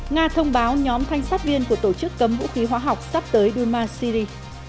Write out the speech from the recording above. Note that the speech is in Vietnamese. nga thông báo nhóm thanh sát viên của tổ chức cấm vũ khí hóa học sắp tới duma syri